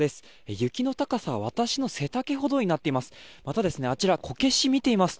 雪の高さは私の背丈ほどになっています。